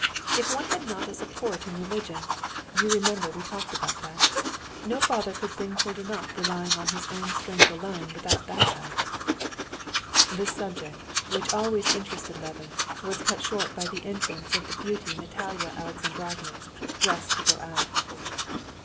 If one had not a support in religion—you remember we talked about that—no father could bring children up relying on his own strength alone without that help." This subject, which always interested Levin, was cut short by the entrance of the beauty Natalia Alexandrovna, dressed to go out.